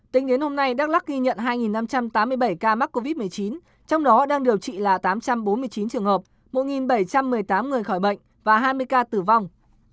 tính đến hôm nay đắk lắc ghi nhận hai năm trăm tám mươi bảy ca mắc covid một mươi chín trong đó đang điều trị là tám trăm bốn mươi chín trường hợp một bảy trăm một mươi tám người khỏi bệnh và hai mươi ca tử vong